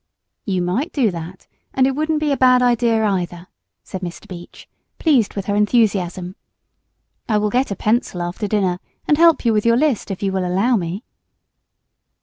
"You might do that, and it wouldn't be a bad idea, either," said Mr. Beach, pleased with her enthusiasm. "I will get a pencil after dinner and help you with your list if you will allow me."